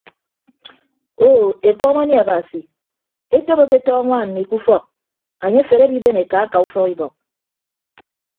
Oo ekọm anie abasi etop aketọ añwaan mmi ke ufọk anye afehe adiben eka aka ufọk ibọk.